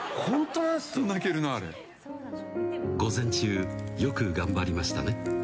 午前中、よく頑張りましたね。